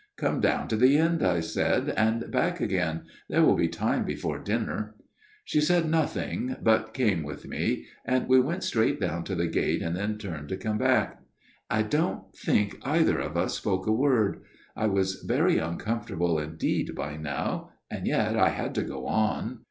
' Come down to the end/ I said, ' and back again. There will be time before dinner/ " She said nothing ; but came with me ; and we went straight down to the gate and then turned to come back. " I don't think either of us spoke a word ; I was very uncomfortable indeed by now ; and yet I had to go on.